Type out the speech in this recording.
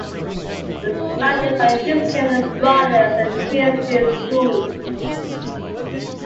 It was founded by the Institute of the Brothers of the Christian Schools.